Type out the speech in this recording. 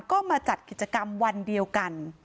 ก็มาจัดกิจกรรมวันเดียวกัน